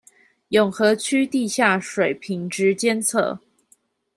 永和區地下水品質監測